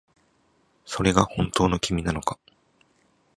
それが本当の君なのか